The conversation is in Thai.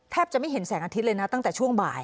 จะไม่เห็นแสงอาทิตย์เลยนะตั้งแต่ช่วงบ่าย